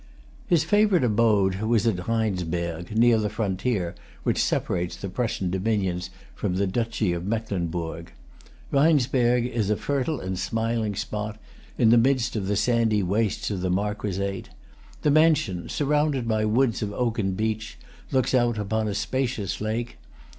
His favorite abode was at Rheinsberg, near the frontier which separates the Prussian dominions from the Duchy of Mecklenburg. Rheinsberg is a fertile and smiling spot, in the midst of the sandy waste of the Marquisate. The mansion, surrounded by woods of oak and beech, looks out upon a spacious lake.